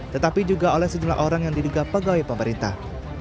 tetapi juga oleh sejumlah orang yang diduga pegawai pemerintah